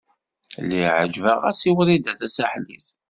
Lliɣ ɛejbeɣ-as i Wrida Tasaḥlit.